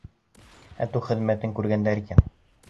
Әтеү хеҙмәтен күргәндәр икән!